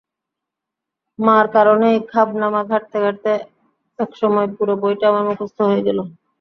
মার কারণেই খাবনামা ঘাঁটতে-ঘাঁটতে একসময় পুরো বইটা আমার মুখস্থ হয়ে গেল।